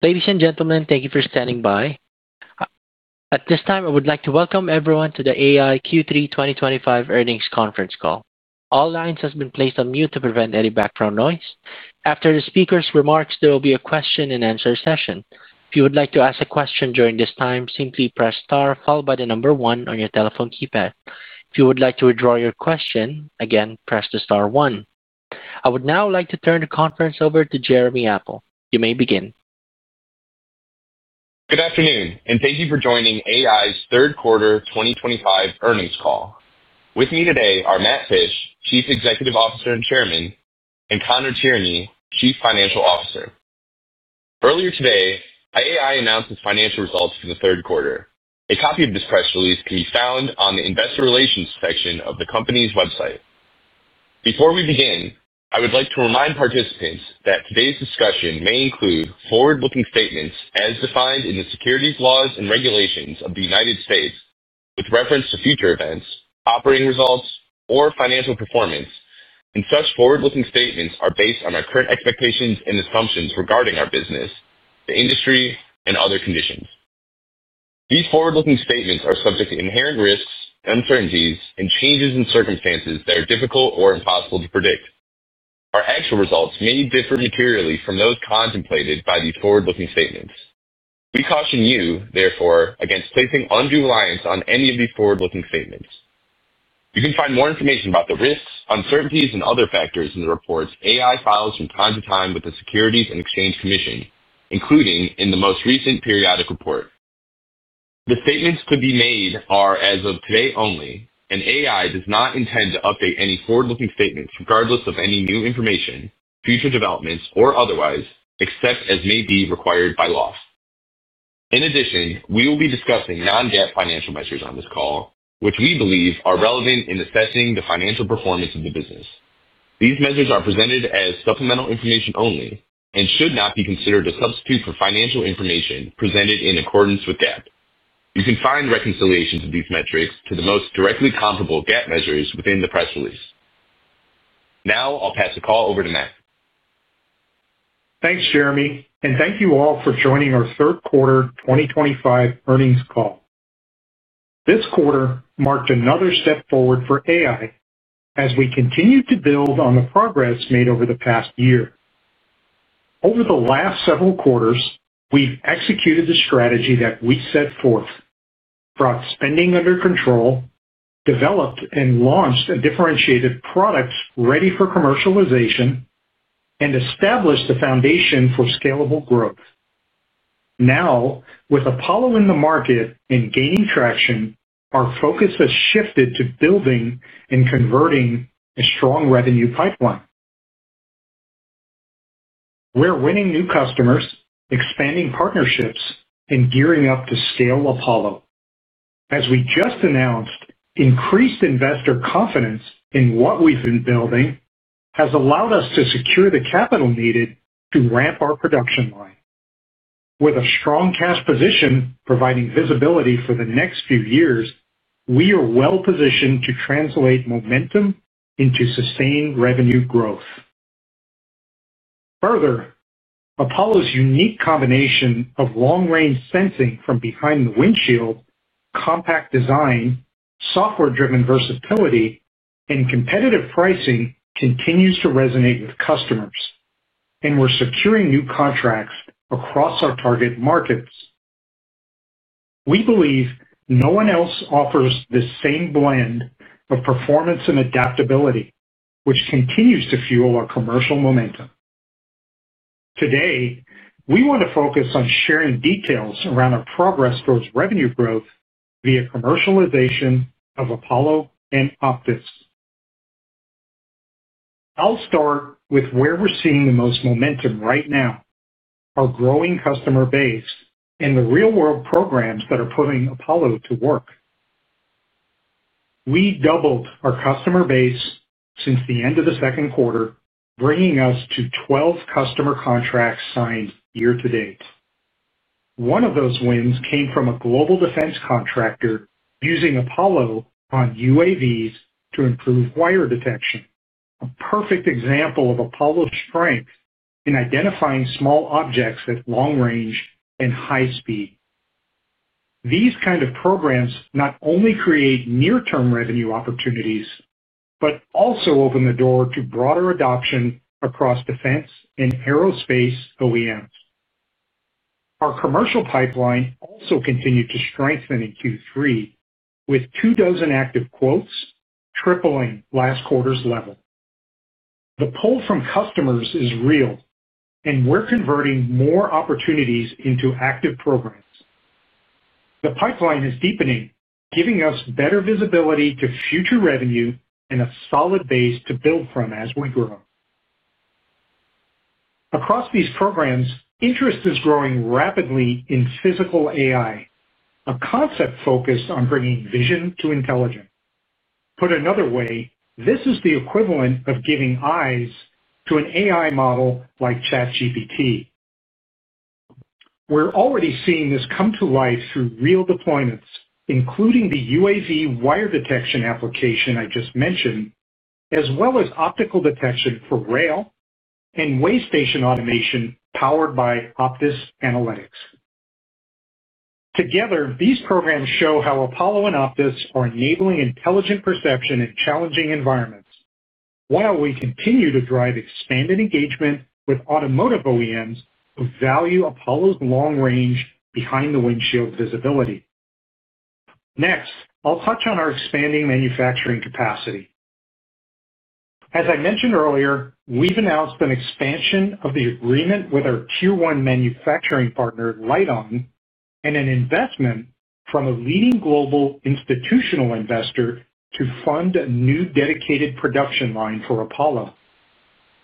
Ladies and gentlemen, thank you for standing by. At this time, I would like to welcome everyone to the AEye Q3 2025 Earnings Conference Call. All lines have been placed on mute to prevent any background noise. After the speakers' remarks, there will be a question-and-answer session. If you would like to ask a question during this time, simply press star followed by the number one on your telephone keypad. If you would like to withdraw your question, again, press the star one. I would now like to turn the conference over to Jeremy Apple. You may begin. Good afternoon, and thank you for joining AEye's Third Quarter 2025 Earnings Call. With me today are Matt Fisch, Chief Executive Officer and Chairman, and Conor Tierney, Chief Financial Officer. Earlier today, AEye announced its financial results for the third quarter. A copy of this press release can be found on the Investor Relations section of the company's website. Before we begin, I would like to remind participants that today's discussion may include forward-looking statements as defined in the securities laws and regulations of the U.S. with reference to future events, operating results, or financial performance, and such forward-looking statements are based on our current expectations and assumptions regarding our business, the industry, and other conditions. These forward-looking statements are subject to inherent risks, uncertainties, and changes in circumstances that are difficult or impossible to predict. Our actual results may differ materially from those contemplated by these forward-looking statements. We caution you, therefore, against placing undue reliance on any of these forward-looking statements. You can find more information about the risks, uncertainties, and other factors in the reports AEye files from time to time with the Securities and Exchange Commission, including in the most recent periodic report. The statements to be made are, as of today only, and AEye does not intend to update any forward-looking statements regardless of any new information, future developments, or otherwise, except as may be required by law. In addition, we will be discussing non-GAAP financial measures on this call, which we believe are relevant in assessing the financial performance of the business. These measures are presented as supplemental information only and should not be considered a substitute for financial information presented in accordance with GAAP. You can find reconciliations of these metrics to the most directly comparable GAAP measures within the press release. Now, I'll pass the call over to Matt. Thanks, Jeremy, and thank you all for joining our Third Quarter 2025 Earnings Call. This quarter marked another step forward for AEye as we continue to build on the progress made over the past year. Over the last several quarters, we've executed the strategy that we set forth. Brought spending under control, developed and launched a differentiated product ready for commercialization, and established a foundation for scalable growth. Now, with Apollo in the market and gaining traction, our focus has shifted to building and converting a strong revenue pipeline. We're winning new customers, expanding partnerships, and gearing up to scale Apollo. As we just announced, increased investor confidence in what we've been building has allowed us to secure the capital needed to ramp our production line. With a strong cash position providing visibility for the next few years, we are well positioned to translate momentum into sustained revenue growth. Further, Apollo's unique combination of long-range sensing from behind the windshield, compact design, software-driven versatility, and competitive pricing continues to resonate with customers, and we're securing new contracts across our target markets. We believe no one else offers the same blend of performance and adaptability, which continues to fuel our commercial momentum. Today, we want to focus on sharing details around our progress towards revenue growth via commercialization of Apollo and Optis. I'll start with where we're seeing the most momentum right now: our growing customer base and the real-world programs that are putting Apollo to work. We doubled our customer base since the end of the second quarter, bringing us to 12 customer contracts signed year to date. One of those wins came from a global defense contractor using Apollo on UAVs to improve wire detection, a perfect example of Apollo's strength in identifying small objects at long range and high speed. These kinds of programs not only create near-term revenue opportunities but also open the door to broader adoption across defense and aerospace OEMs. Our commercial pipeline also continued to strengthen in Q3, with two dozen active quotes tripling last quarter's level. The pull from customers is real, and we're converting more opportunities into active programs. The pipeline is deepening, giving us better visibility to future revenue and a solid base to build from as we grow. Across these programs, interest is growing rapidly in physical AI, a concept focused on bringing vision to intelligence. Put another way, this is the equivalent of giving eyes to an AI model like ChatGPT. We're already seeing this come to life through real deployments, including the UAV wire detection application I just mentioned, as well as optical detection for rail and weigh station automation powered by Optis analytics. Together, these programs show how Apollo and Optis are enabling intelligent perception in challenging environments, while we continue to drive expanded engagement with automotive OEMs who value Apollo's long-range behind-the-windshield visibility. Next, I'll touch on our expanding manufacturing capacity. As I mentioned earlier, we've announced an expansion of the agreement with our tier-one manufacturing partner, Lite-On, and an investment from a leading global institutional investor to fund a new dedicated production line for Apollo,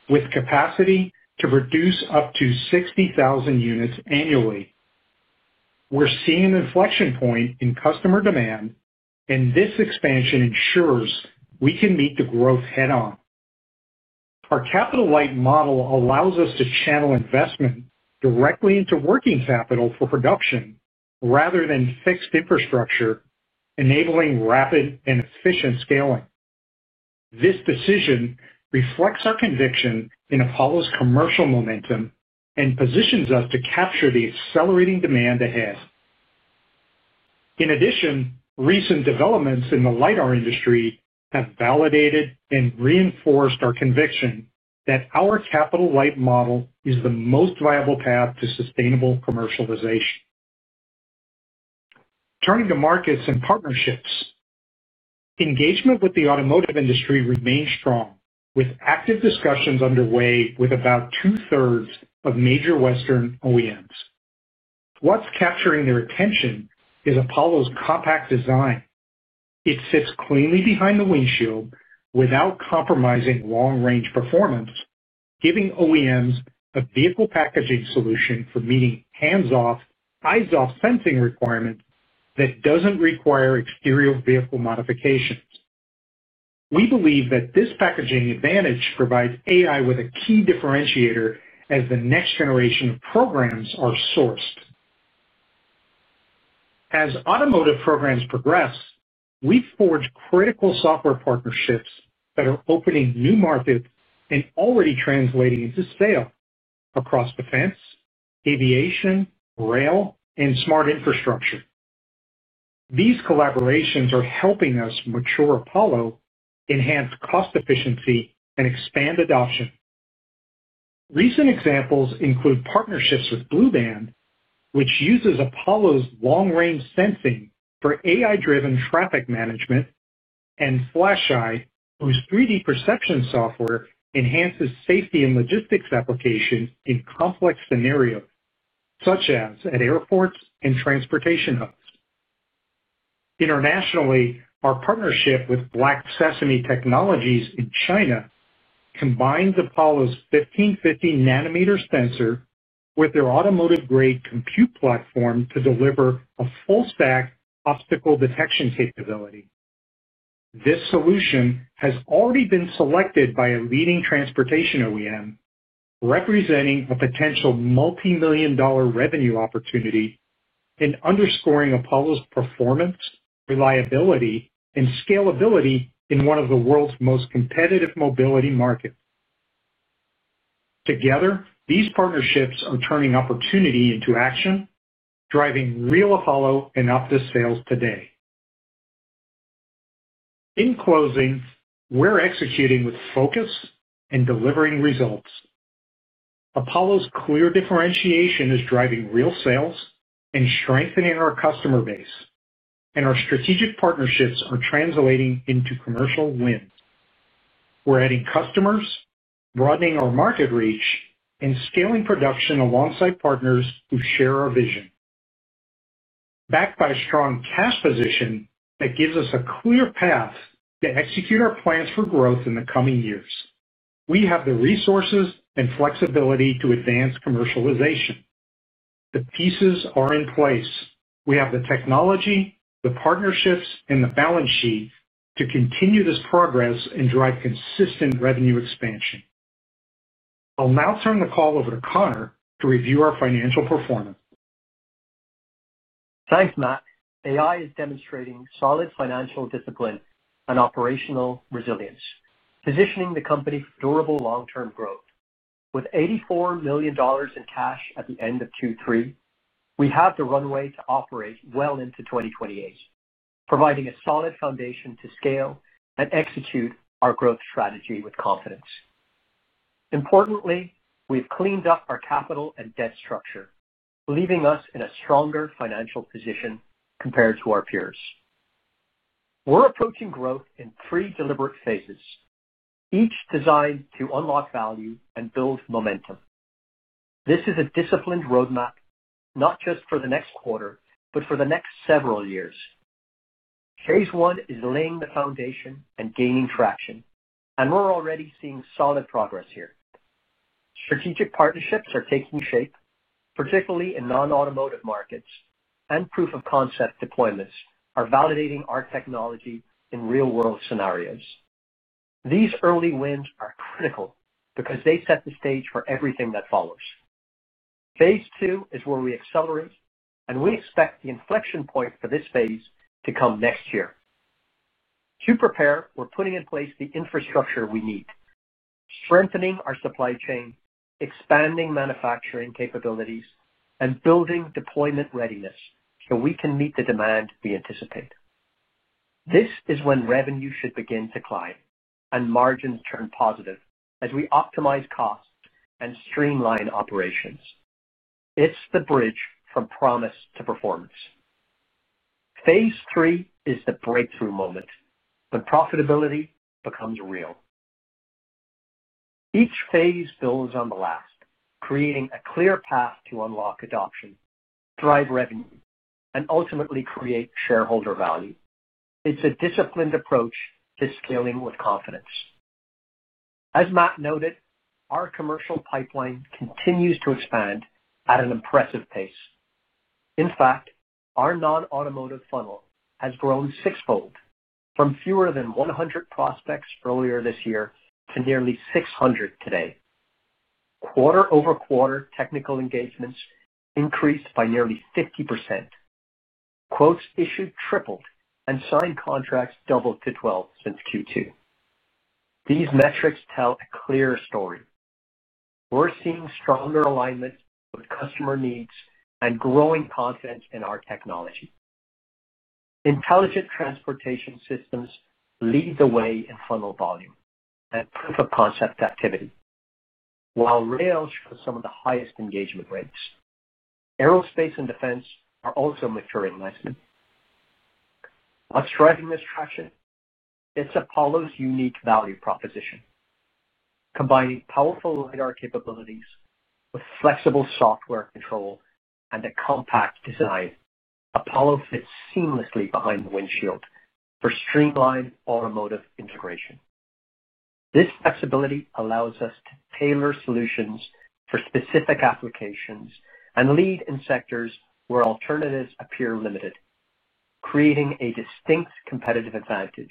with capacity to produce up to 60,000 units annually. We're seeing an inflection point in customer demand, and this expansion ensures we can meet the growth head-on. Our capital-light model allows us to channel investment directly into working capital for production rather than fixed infrastructure, enabling rapid and efficient scaling. This decision reflects our conviction in Apollo's commercial momentum and positions us to capture the accelerating demand ahead. In addition, recent developments in the LiDAR industry have validated and reinforced our conviction that our capital-light model is the most viable path to sustainable commercialization. Turning to markets and partnerships. Engagement with the automotive industry remains strong, with active discussions underway with about two-thirds of major Western OEMs. What's capturing their attention is Apollo's compact design. It sits cleanly behind the windshield without compromising long-range performance, giving OEMs a vehicle packaging solution for meeting hands-off, eyes-off sensing requirements that doesn't require exterior vehicle modifications. We believe that this packaging advantage provides AEye with a key differentiator as the next generation of programs are sourced. As automotive programs progress, we've forged critical software partnerships that are opening new markets and already translating into sale across defense, aviation, rail, and smart infrastructure. These collaborations are helping us mature Apollo, enhance cost efficiency, and expand adoption. Recent examples include partnerships with Blueband, which uses Apollo's long-range sensing for AI-driven traffic management. FlashEye, whose 3D perception software enhances safety and logistics applications in complex scenarios, such as at airports and transportation hubs. Internationally, our partnership with Black Sesame Technologies in China combines Apollo's 1550-nanometer sensor with their automotive-grade compute platform to deliver a full-stack obstacle detection capability. This solution has already been selected by a leading transportation OEM, representing a potential multi-million-dollar revenue opportunity and underscoring Apollo's performance, reliability, and scalability in one of the world's most competitive mobility markets. Together, these partnerships are turning opportunity into action, driving real Apollo and Optis sales today. In closing, we're executing with focus and delivering results. Apollo's clear differentiation is driving real sales and strengthening our customer base, and our strategic partnerships are translating into commercial wins. We're adding customers, broadening our market reach, and scaling production alongside partners who share our vision. Backed by a strong cash position that gives us a clear path to execute our plans for growth in the coming years, we have the resources and flexibility to advance commercialization. The pieces are in place. We have the technology, the partnerships, and the balance sheet to continue this progress and drive consistent revenue expansion. I'll now turn the call over to Conor to review our financial performance. Thanks, Matt. AEye is demonstrating solid financial discipline and operational resilience, positioning the company for durable long-term growth. With $84 million in cash at the end of Q3, we have the runway to operate well into 2028, providing a solid foundation to scale and execute our growth strategy with confidence. Importantly, we've cleaned up our capital and debt structure, leaving us in a stronger financial position compared to our peers. We're approaching growth in three deliberate phases, each designed to unlock value and build momentum. This is a disciplined roadmap, not just for the next quarter but for the next several years. Phase one is laying the foundation and gaining traction, and we're already seeing solid progress here. Strategic partnerships are taking shape, particularly in non-automotive markets, and proof-of-concept deployments are validating our technology in real-world scenarios. These early wins are critical because they set the stage for everything that follows. Phase II is where we accelerate, and we expect the inflection point for this phase to come next year. To prepare, we're putting in place the infrastructure we need. Strengthening our supply chain, expanding manufacturing capabilities, and building deployment readiness so we can meet the demand we anticipate. This is when revenue should begin to climb and margins turn positive as we optimize costs and streamline operations. It's the bridge from promise to performance. Phase III is the breakthrough moment when profitability becomes real. Each phase builds on the last, creating a clear path to unlock adoption, drive revenue, and ultimately create shareholder value. It's a disciplined approach to scaling with confidence. As Matt noted, our commercial pipeline continues to expand at an impressive pace. In fact, our non-automotive funnel has grown sixfold, from fewer than 100 prospects earlier this year to nearly 600 today. Quarter-over-quarter technical engagements increased by nearly 50%. Quotes issued tripled and signed contracts doubled to 12 since Q2. These metrics tell a clear story. We're seeing stronger alignment with customer needs and growing confidence in our technology. Intelligent transportation systems lead the way in funnel volume and proof-of-concept activity, while rail shows some of the highest engagement rates. Aerospace and defense are also maturing nicely. What's driving this traction? It's Apollo's unique value proposition. Combining powerful LiDAR capabilities with flexible software control and a compact design, Apollo fits seamlessly behind the windshield for streamlined automotive integration. This flexibility allows us to tailor solutions for specific applications and lead in sectors where alternatives appear limited. Creating a distinct competitive advantage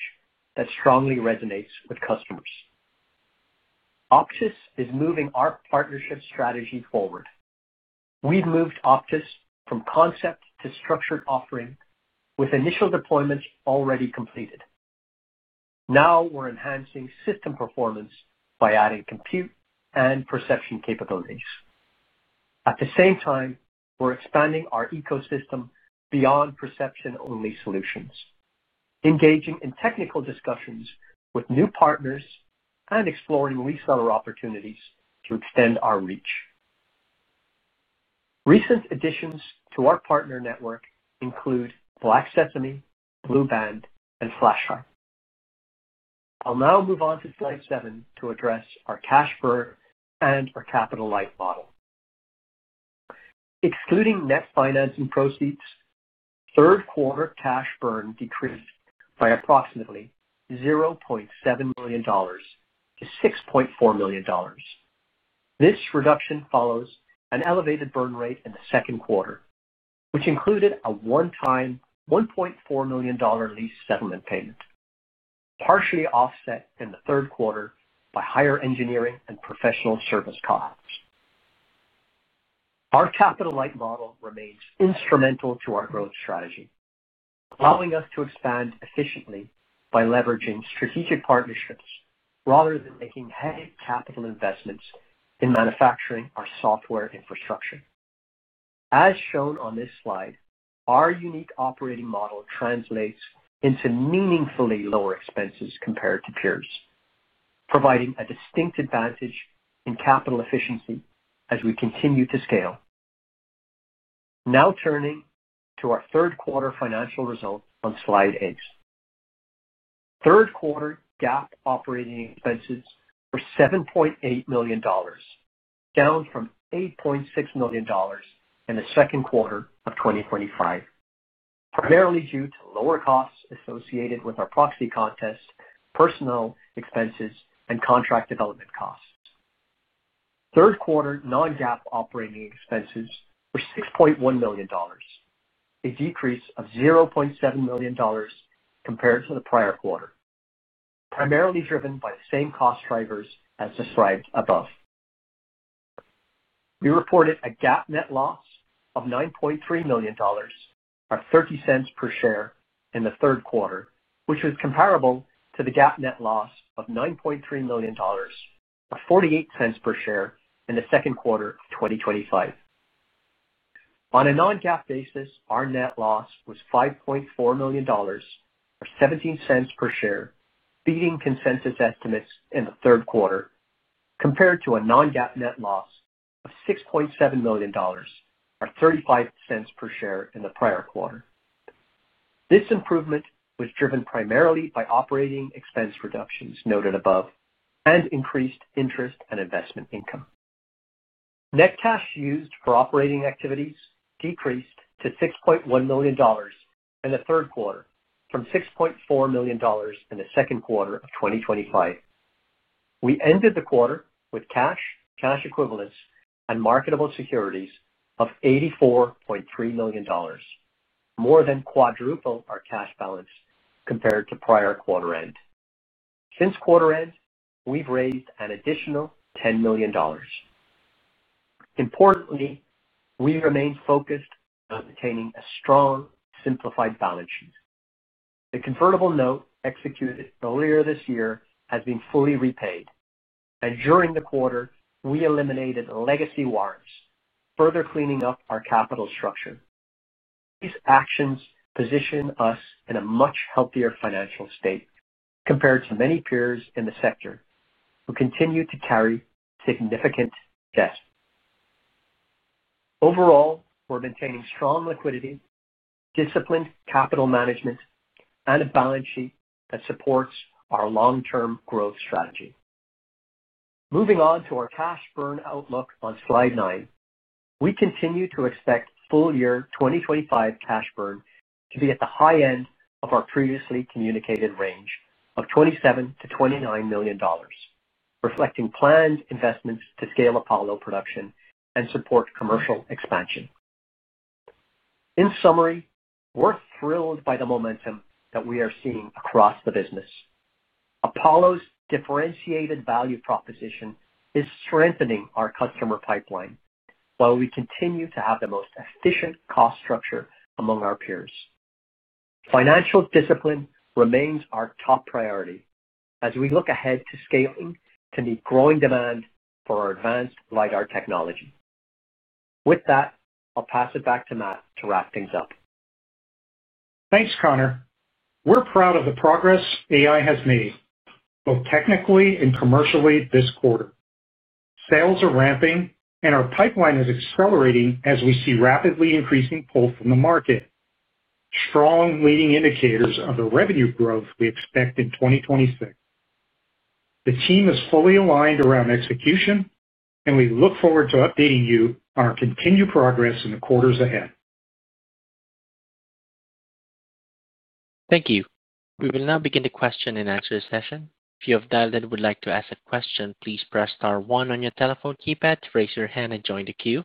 that strongly resonates with customers. Optis is moving our partnership strategy forward. We've moved Optis from concept to structured offering with initial deployments already completed. Now we're enhancing system performance by adding compute and perception capabilities. At the same time, we're expanding our ecosystem beyond perception-only solutions, engaging in technical discussions with new partners and exploring reseller opportunities to extend our reach. Recent additions to our partner network include Black Sesame, Blueband, and FlashEye. I'll now move on to slide seven to address our cash burn and our capital-light model. Excluding net financing proceeds, third-quarter cash burn decreased by approximately $0.7 million to $6.4 million. This reduction follows an elevated burn rate in the second quarter, which included a one-time $1.4 million lease settlement payment, partially offset in the third quarter by higher engineering and professional service costs. Our capital-light model remains instrumental to our growth strategy, allowing us to expand efficiently by leveraging strategic partnerships rather than making heavy capital investments in manufacturing our software infrastructure. As shown on this slide, our unique operating model translates into meaningfully lower expenses compared to peers, providing a distinct advantage in capital efficiency as we continue to scale. Now turning to our third-quarter financial results on slide eight. Third-quarter GAAP operating expenses were $7.8 million, down from $8.6 million in the second quarter of 2025. Primarily due to lower costs associated with our proxy contest, personnel expenses, and contract development costs. Third-quarter non-GAAP operating expenses were $6.1 million, a decrease of $0.7 million compared to the prior quarter, primarily driven by the same cost drivers as described above. We reported a GAAP net loss of $9.3 million, or $0.30 per share, in the third quarter, which was comparable to the GAAP net loss of $9.3 million, or $0.48 per share, in the second quarter of 2025. On a non-GAAP basis, our net loss was $5.4 million, or $0.17 per share, beating consensus estimates in the third quarter, compared to a non-GAAP net loss of $6.7 million, or $0.35 per share, in the prior quarter. This improvement was driven primarily by operating expense reductions noted above and increased interest and investment income. Net cash used for operating activities decreased to $6.1 million in the third quarter, from $6.4 million in the second quarter of 2025. We ended the quarter with cash, cash equivalents, and marketable securities of $84.3 million, more than quadrupling our cash balance compared to prior quarter-end. Since quarter-end, we've raised an additional $10 million. Importantly, we remain focused on obtaining a strong, simplified balance sheet. The convertible note executed earlier this year has been fully repaid, and during the quarter, we eliminated legacy warrants, further cleaning up our capital structure. These actions position us in a much healthier financial state compared to many peers in the sector who continue to carry significant debt. Overall, we're maintaining strong liquidity, disciplined capital management, and a balance sheet that supports our long-term growth strategy. Moving on to our cash burn outlook on slide nine, we continue to expect full year 2025 cash burn to be at the high end of our previously communicated range of $27-$29 million, reflecting planned investments to scale Apollo production and support commercial expansion. In summary, we're thrilled by the momentum that we are seeing across the business. Apollo's differentiated value proposition is strengthening our customer pipeline while we continue to have the most efficient cost structure among our peers. Financial discipline remains our top priority as we look ahead to scaling to meet growing demand for our advanced LiDAR Technology. With that, I'll pass it back to Matt to wrap things up. Thanks, Conor. We're proud of the progress AEye has made, both technically and commercially, this quarter. Sales are ramping, and our pipeline is accelerating as we see rapidly increasing pull from the market. Strong leading indicators of the revenue growth we expect in 2026. The team is fully aligned around execution, and we look forward to updating you on our continued progress in the quarters ahead. Thank you. We will now begin the question and answer session. If you have dialed in and would like to ask a question, please press star one on your telephone keypad to raise your hand and join the queue.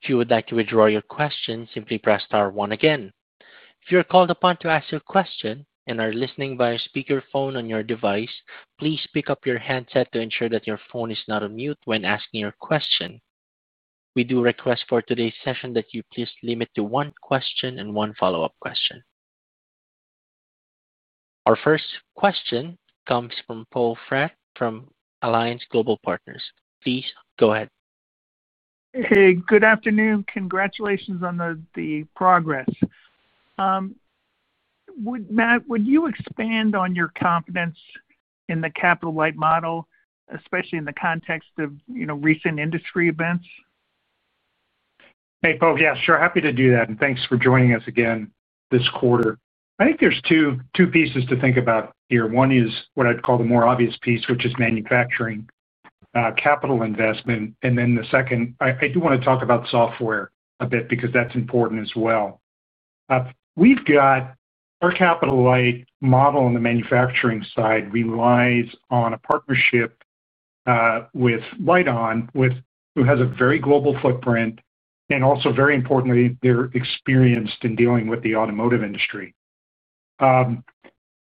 If you would like to withdraw your question, simply press star one again. If you are called upon to ask your question and are listening via speakerphone on your device, please pick up your handset to ensure that your phone is not on mute when asking your question. We do request for today's session that you please limit to one question and one follow-up question. Our first question comes from Poel Fratt from Alliance Global Partners. Please go ahead. Hey, good afternoon. Congratulations on the progress. Matt, would you expand on your confidence in the capital-light model, especially in the context of recent industry events? Hey, Poe. Yeah, sure. Happy to do that. Thanks for joining us again this quarter. I think there's two pieces to think about here. One is what I'd call the more obvious piece, which is manufacturing. Capital investment. The second, I do want to talk about software a bit because that's important as well. Our capital-light model on the manufacturing side relies on a partnership with Lite-On, who has a very global footprint and also, very importantly, they're experienced in dealing with the automotive industry.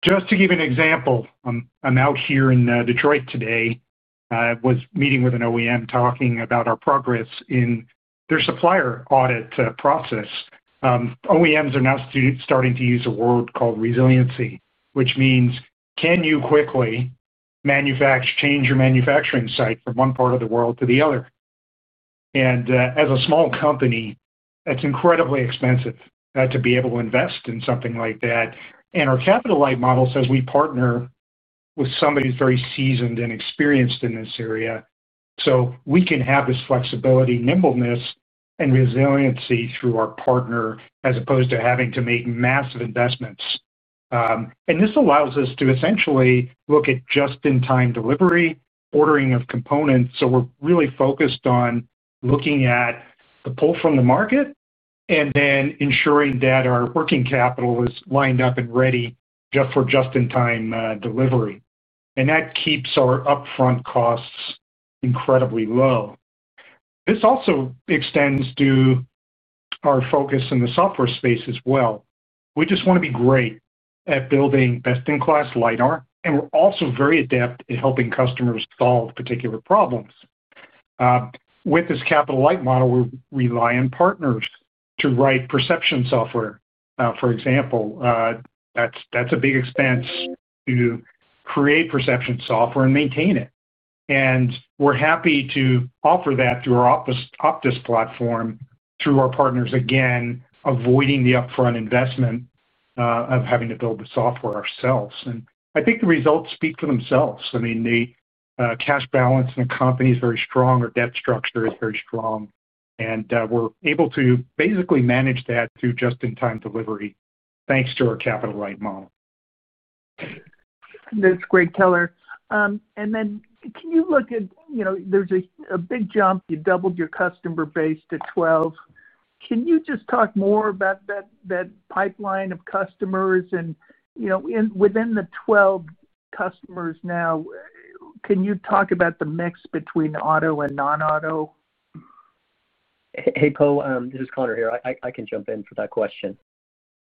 Just to give an example, I'm out here in Detroit today. I was meeting with an OEM talking about our progress in their supplier audit process. OEMs are now starting to use a word called resiliency, which means can you quickly change your manufacturing site from one part of the world to the other? As a small company, it's incredibly expensive to be able to invest in something like that. Our capital-light model says we partner with somebody who's very seasoned and experienced in this area. We can have this flexibility, nimbleness, and resiliency through our partner as opposed to having to make massive investments. This allows us to essentially look at just-in-time delivery, ordering of components. We're really focused on looking at the pull from the market and then ensuring that our working capital is lined up and ready just for just-in-time delivery. That keeps our upfront costs incredibly low. This also extends to our focus in the software space as well. We just want to be great at building best-in-class LiDAR, and we're also very adept at helping customers solve particular problems. With this capital-light model, we rely on partners to write perception software, for example. That's a big expense to create perception software and maintain it. We're happy to offer that through our Optis platform, through our partners, again, avoiding the upfront investment of having to build the software ourselves. I think the results speak for themselves. I mean, the cash balance in the company is very strong. Our debt structure is very strong. We're able to basically manage that through just-in-time delivery, thanks to our capital-light model. That's great, Coner. Can you look at there's a big jump? You doubled your customer base to 12. Can you just talk more about that pipeline of customers? Within the 12 customers now, can you talk about the mix between auto and non-auto? Hey, Poe. This is Conor here. I can jump in for that question.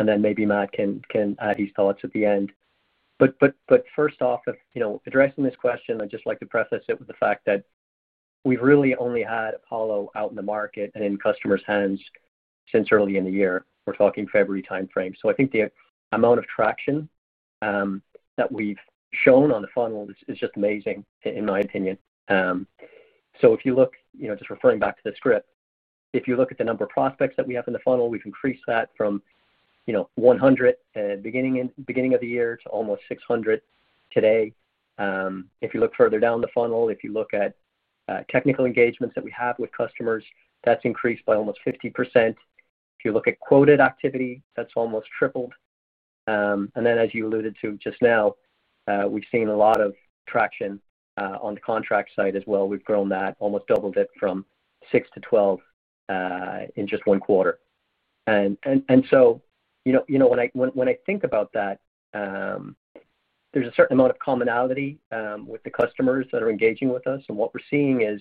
Maybe Matt can add his thoughts at the end. First off, addressing this question, I'd just like to preface it with the fact that we've really only had Apollo out in the market and in customers' hands since early in the year. We're talking February timeframe. I think the amount of traction that we've shown on the funnel is just amazing, in my opinion. If you look, just referring back to the script, if you look at the number of prospects that we have in the funnel, we've increased that from 100 at the beginning of the year to almost 600 today. If you look further down the funnel, if you look at technical engagements that we have with customers, that's increased by almost 50%. If you look at quoted activity, that's almost tripled. And then, as you alluded to just now, we've seen a lot of traction on the contract side as well. We've grown that, almost doubled it from 6 to 12 in just one quarter. When I think about that, there's a certain amount of commonality with the customers that are engaging with us. What we're seeing is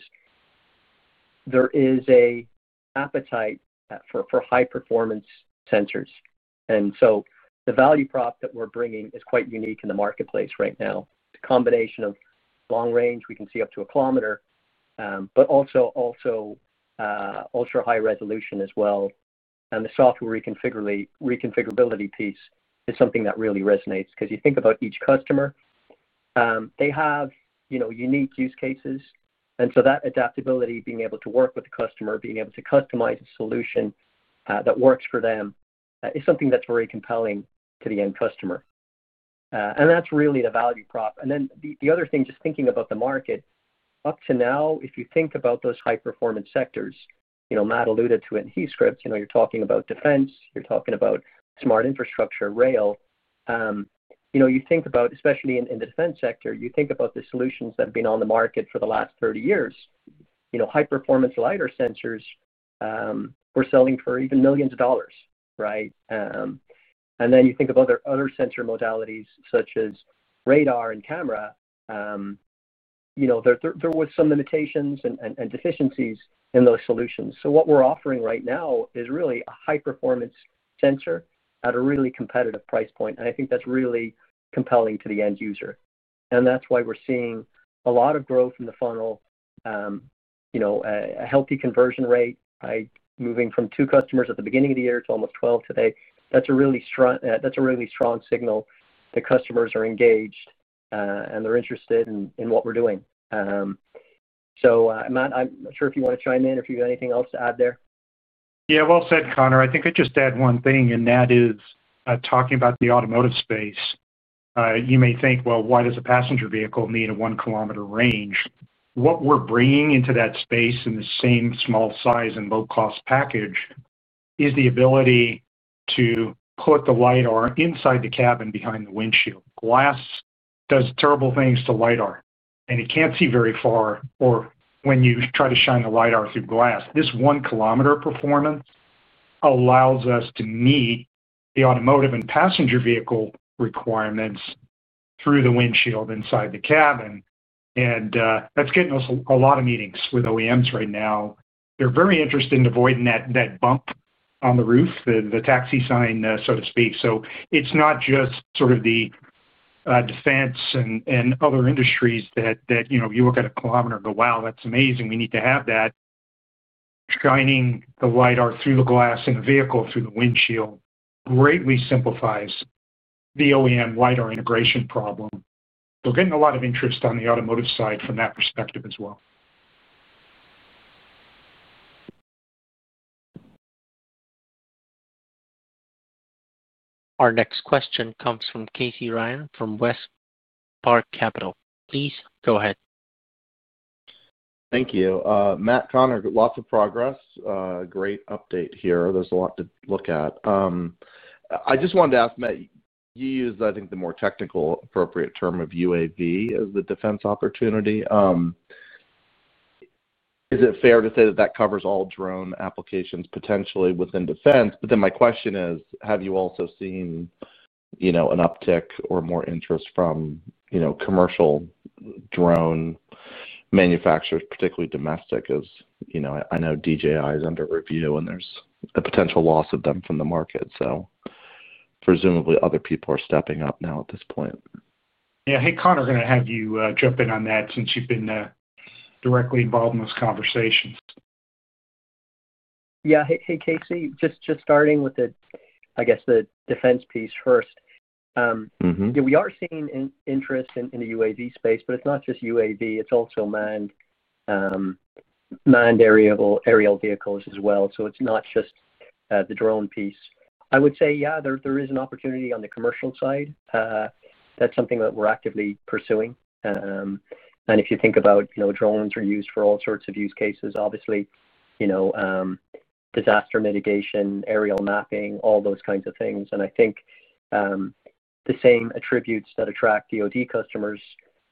there is an appetite for high-performance sensors. The value prop that we're bringing is quite unique in the marketplace right now. The combination of long range, we can see up to a kilometer, but also ultra-high resolution as well. The software reconfigurability piece is something that really resonates because you think about each customer, they have unique use cases. That adaptability, being able to work with the customer, being able to customize a solution that works for them is something that's very compelling to the end customer. That is really the value prop. The other thing, just thinking about the market, up to now, if you think about those high-performance sectors, Matt alluded to it in his script, you're talking about defense. You're talking about smart infrastructure, rail. You think about, especially in the defense sector, you think about the solutions that have been on the market for the last 30 years. High-performance LiDAR sensors were selling for even millions of dollars, right? You think of other sensor modalities such as radar and camera. There were some limitations and deficiencies in those solutions. What we're offering right now is really a high-performance sensor at a really competitive price point. I think that's really compelling to the end user. That is why we're seeing a lot of growth in the funnel. A healthy conversion rate, moving from two customers at the beginning of the year to almost 12 today. That is a really strong signal that customers are engaged and they're interested in what we're doing. Matt, I'm not sure if you want to chime in, if you have anything else to add there. Yeah, well said, Conor. I think I'd just add one thing, and that is talking about the automotive space. You may think, well, why does a passenger vehicle need a 1 kilometer range? What we're bringing into that space in the same small size and low-cost package is the ability to put the LiDAR inside the cabin behind the windshield. Glass does terrible things to LiDAR, and it can't see very far, or when you try to shine the LiDAR through glass. This 1 kilometer performance allows us to meet the automotive and passenger vehicle requirements through the windshield inside the cabin. That's getting us a lot of meetings with OEMs right now. They're very interested in avoiding that bump on the roof, the taxi sign, so to speak. It's not just sort of the defense and other industries that you look at a kilometer and go, "Wow, that's amazing. We need to have that. Shining the LiDAR through the glass in a vehicle through the windshield greatly simplifies the OEM LiDAR integration problem. So we're getting a lot of interest on the automotive side from that perspective as well. Our next question comes from Casey Ryan from WestPark Capital. Please go ahead. Thank you. Matt, Conor, lots of progress. Great update here. There is a lot to look at. I just wanted to ask, Matt, you used, I think, the more technical appropriate term of UAV as the defense opportunity. Is it fair to say that that covers all drone applications potentially within defense? My question is, have you also seen an uptick or more interest from commercial drone manufacturers, particularly domestic? I know DJI is under review, and there is a potential loss of them from the market. Presumably, other people are stepping up now at this point. Yeah. Hey, Conor, I'm going to have you jump in on that since you've been directly involved in those conversations. Yeah. Hey, Casey, just starting with, I guess, the defense piece first. We are seeing interest in the UAV space, but it's not just UAV. It's also manned aerial vehicles as well. It's not just the drone piece. I would say, yeah, there is an opportunity on the commercial side. That's something that we're actively pursuing. If you think about drones, they're used for all sorts of use cases, obviously. Disaster mitigation, aerial mapping, all those kinds of things. I think the same attributes that attract DoD customers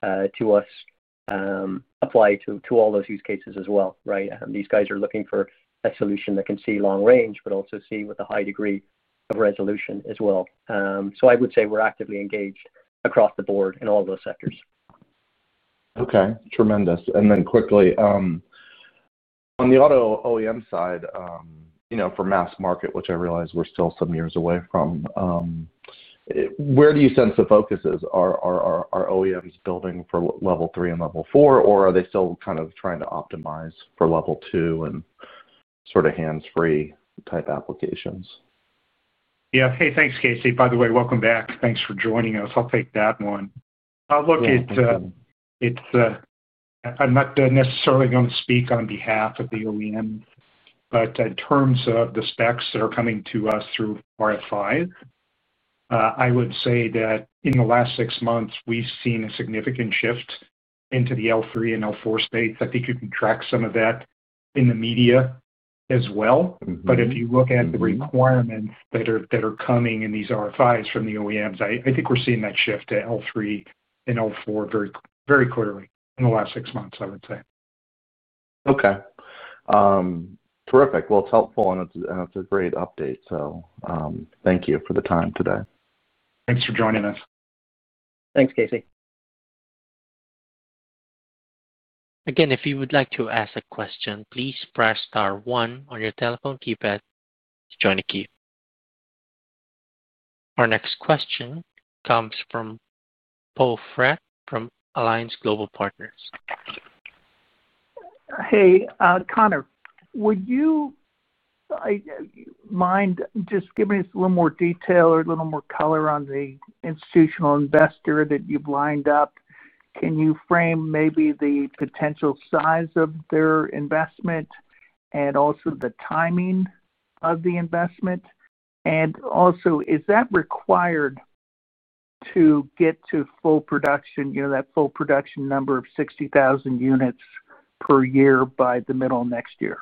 to us apply to all those use cases as well, right? These guys are looking for a solution that can see long range, but also see with a high degree of resolution as well. I would say we're actively engaged across the board in all those sectors. Okay. Tremendous. And then quickly, on the auto OEM side, for mass market, which I realize we're still some years away from, where do you sense the focus is? Are OEMs building for level three and level four, or are they still kind of trying to optimize for level two and sort of hands-free type applications? Yeah. Hey, thanks, Casey. By the way, welcome back. Thanks for joining us. I'll take that one. I'll look at. I'm not necessarily going to speak on behalf of the OEMs, but in terms of the specs that are coming to us through RFIs. I would say that in the last six months, we've seen a significant shift into the L3 and L4 space. I think you can track some of that in the media as well. If you look at the requirements that are coming in these RFIs from the OEMs, I think we're seeing that shift to L3 and L4 very clearly in the last six months, I would say. Okay. Terrific. It is helpful, and it is a great update. Thank you for the time today. Thanks for joining us. Thanks, Casey. Again, if you would like to ask a question, please press star one on your telephone keypad to join a queue. Our next question comes from Poe Fratt from Alliance Global Partners. Hey, Conor, would you mind just giving us a little more detail or a little more color on the institutional investor that you've lined up? Can you frame maybe the potential size of their investment, and also the timing of the investment? Also, is that required to get to full production, that full production number of 60,000 units per year by the middle of next year?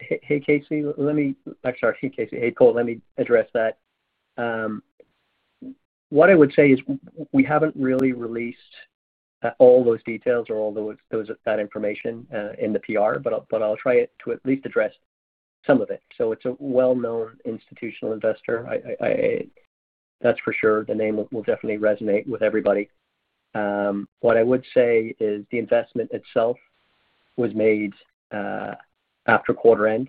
Hey, Casey, let me—actually, hey, Casey, hey, Poe, let me address that. What I would say is we haven't really released all those details or all that information in the PR, but I'll try to at least address some of it. It is a well-known institutional investor, that's for sure. The name will definitely resonate with everybody. What I would say is the investment itself was made after quarter-end,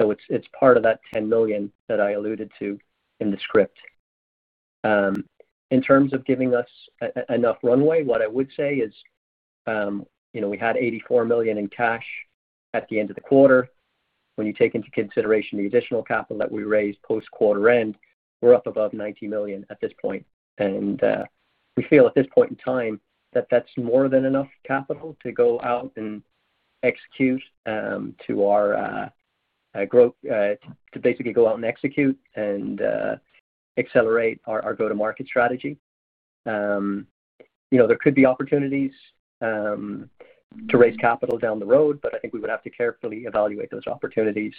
so it's part of that $10 million that I alluded to in the script. In terms of giving us enough runway, what I would say is we had $84 million in cash at the end of the quarter. When you take into consideration the additional capital that we raised post-quarter-end, we're up above $90 million at this point. We feel at this point in time that that's more than enough capital to go out and execute to our. Growth, to basically go out and execute and accelerate our go-to-market strategy. There could be opportunities to raise capital down the road, but I think we would have to carefully evaluate those opportunities.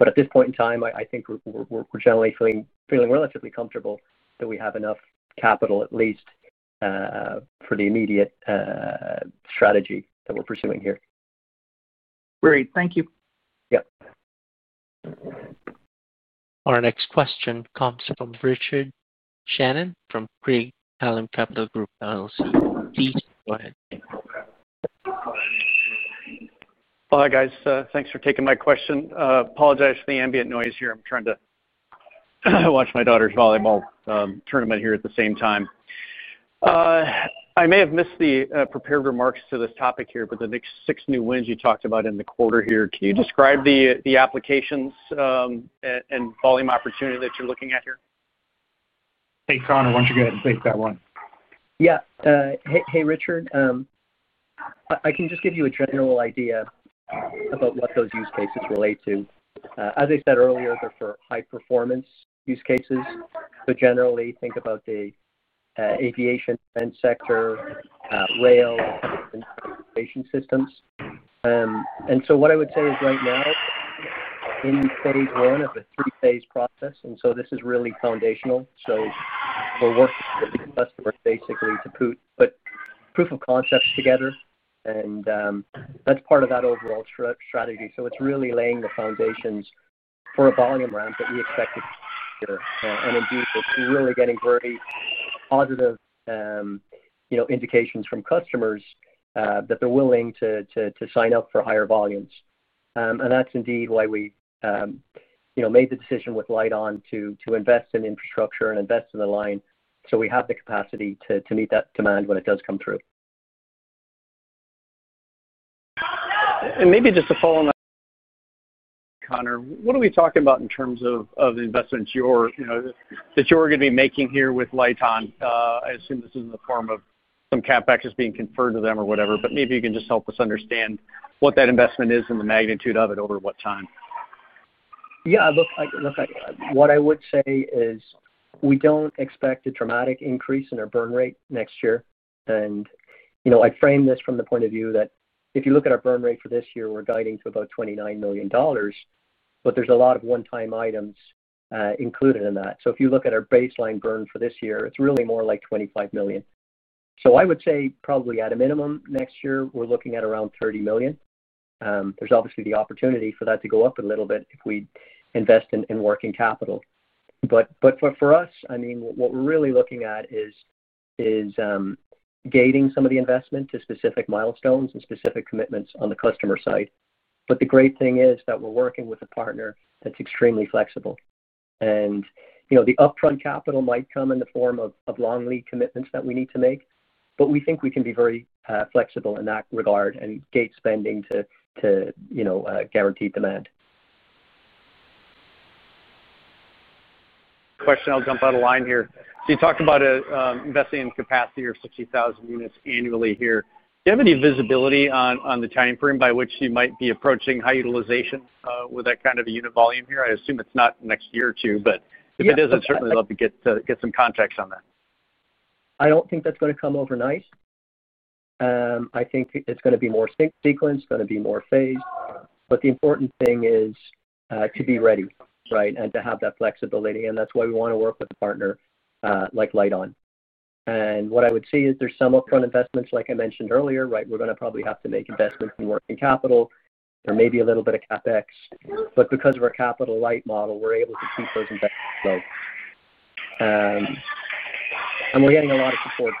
At this point in time, I think we're generally feeling relatively comfortable that we have enough capital, at least for the immediate strategy that we're pursuing here. Great. Thank you. Yeah. Our next question comes from Richard Shannon from Craig-Hallum Capital Group. Please go ahead. Hi, guys. Thanks for taking my question. Apologize for the ambient noise here. I'm trying to watch my daughter's volleyball tournament here at the same time. I may have missed the prepared remarks to this topic here, but the six new wins you talked about in the quarter here, can you describe the applications and volume opportunity that you're looking at here? Hey, Conor, why don't you go ahead and take that one? Yeah. Hey, Richard. I can just give you a general idea about what those use cases relate to. As I said earlier, they're for high-performance use cases, but generally think about the aviation sector, rail and transportation systems. What I would say is right now, in phase I of a three-phase process, and this is really foundational. We're working with the customer basically to put proof of concepts together, and that's part of that overall strategy. It's really laying the foundations for a volume ramp that we expected here. Indeed, it's really getting very positive indications from customers that they're willing to sign up for higher volumes. That's indeed why we made the decision with Lite-On to invest in infrastructure and invest in the line so we have the capacity to meet that demand when it does come through. Maybe just a follow-up. Conor, what are we talking about in terms of the investments that you're going to be making here with Lite-On? I assume this is in the form of some CapEx being conferred to them or whatever, but maybe you can just help us understand what that investment is and the magnitude of it over what time. Yeah. Look, what I would say is we do not expect a dramatic increase in our burn rate next year. I frame this from the point of view that if you look at our burn rate for this year, we are guiding to about $29 million, but there is a lot of one-time items included in that. If you look at our baseline burn for this year, it is really more like $25 million. I would say probably at a minimum next year, we are looking at around $30 million. There is obviously the opportunity for that to go up a little bit if we invest in working capital. For us, I mean, what we are really looking at is gating some of the investment to specific milestones and specific commitments on the customer side. The great thing is that we are working with a partner that is extremely flexible. The upfront capital might come in the form of long lead commitments that we need to make, but we think we can be very flexible in that regard and gate spending to guaranteed demand. Question. I'll jump out of line here. So you talked about investing in capacity for 60,000 units annually here. Do you have any visibility on the time frame by which you might be approaching high utilization with that kind of unit volume here? I assume it's not next year or two, but if it is, I'd certainly love to get some context on that. I don't think that's going to come overnight. I think it's going to be more sequence, going to be more phased. The important thing is to be ready, right, and to have that flexibility. That is why we want to work with a partner like Lite-On. What I would say is there's some upfront investments, like I mentioned earlier, right? We're going to probably have to make investments in working capital. There may be a little bit of CapEx. Because of our capital light model, we're able to keep those investments low. We're getting a lot of support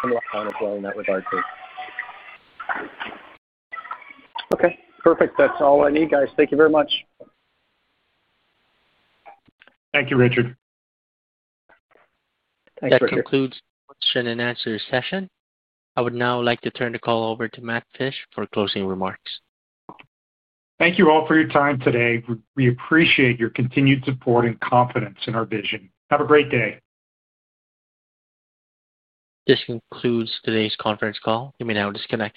from Lite-On as well in that regard too. Okay. Perfect. That's all I need, guys. Thank you very much. Thank you, Richard. That concludes the question and answer session. I would now like to turn the call over to Matt Fisch for closing remarks. Thank you all for your time today. We appreciate your continued support and confidence in our vision. Have a great day. This concludes today's conference call. You may now disconnect.